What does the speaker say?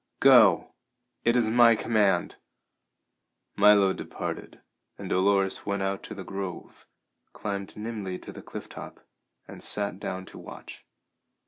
Go! It is my command!" Milo departed, and Dolores went out to the Grove, climbed nimbly to the cliff top, and sat down to watch.